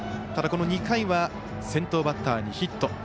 ただ、この２回は先頭バッターにヒット。